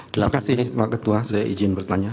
terima kasih pak ketua saya izin bertanya